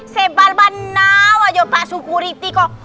sebal banaw aja pak sukuriti kok